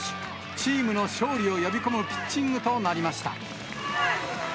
チームの勝利を呼び込むピッチングとなりました。